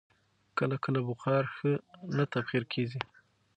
کله کله بخار ښه نه تبخیر کېږي.